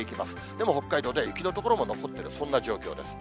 でも北海道では、雪の所も残っている、そんな状況です。